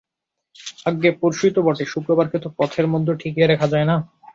আজ্ঞে, পরশুই তো বটে– শুক্রবারকে তো পথের মধ্যে ঠেকিয়ে রাখা যায় না।